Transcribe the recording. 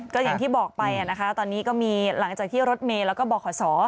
ก็อย่างที่บอกไปนะคะตอนนี้ก็มีหลังจากที่รถเมย์แล้วก็บข